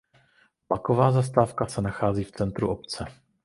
Vlaková zastávka se nachází v centru obce.